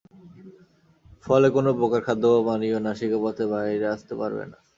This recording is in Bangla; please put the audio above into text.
ফলে কোন প্রকার খাদ্য বা পানীয় নাসিকা পথে বাইরে আসতে পারে না।